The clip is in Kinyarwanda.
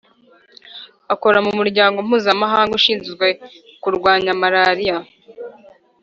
akore mu muryango mpuzamahanga ushinzwe kurwanya malariya